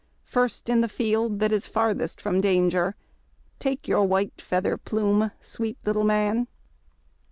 First in the field, that is farthest from danger. Take your white feather plume, sweet little man!